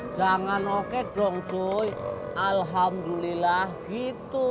jangan oke dong tuh alhamdulillah gitu